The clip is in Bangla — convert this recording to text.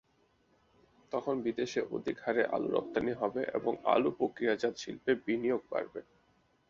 তখন বিদেশে অধিক হারে আলু রপ্তানি হবে এবং আলু প্রক্রিয়াজাতশিল্পে বিনিয়োগ বাড়বে।